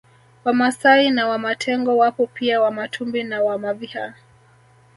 Wamasai na Wamatengo wapo pia Wamatumbi na Wamaviha